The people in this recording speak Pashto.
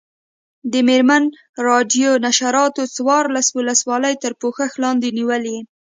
د مېرمن راډیو نشراتو څوارلس ولسوالۍ تر پوښښ لاندې نیولي.